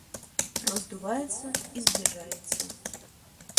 Раздувается и сближается.